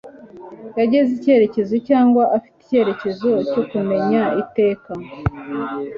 yagize icyerekezo cyangwa afite icyerekezo cyo kumenya iteka